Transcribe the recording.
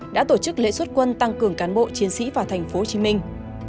đã tổ chức lễ xuất quân tăng cường cán bộ chiến sĩ vào thành phố hồ chí minh